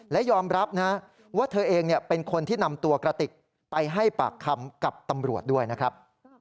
และยอมรับนะว่าเธอเองเป็นคนที่นำตัวกระติกไปให้ปากคำกับตำรวจด้วยนะครับ